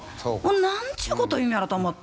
何ちゅうこと言うんやろと思って。